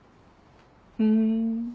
ふん。